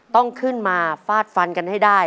ต้องขึ้นมาฟาดฟันกันให้ได้